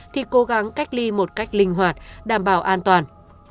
thì cố gắng cách ly một cách linh hoạt đảm bảo an toàn